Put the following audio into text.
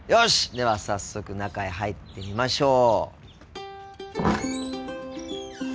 では早速中へ入ってみましょう。